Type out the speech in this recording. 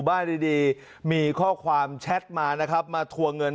บ้านดีมีข้อความแชทมานะครับมาทัวร์เงิน